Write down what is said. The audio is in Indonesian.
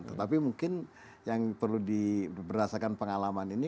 tetapi mungkin yang perlu diberasakan pengalaman ini